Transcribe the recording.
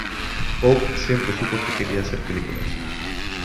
Pope siempre supo que quería hacer películas.